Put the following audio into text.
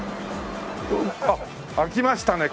あっ開きましたね